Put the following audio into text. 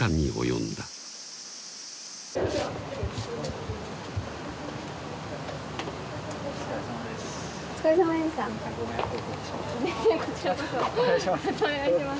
またお願いします